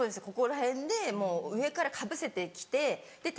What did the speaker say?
ここらへんでもう上からかぶせて来て。